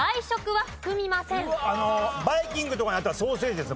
あのバイキングとかにあったらソーセージですね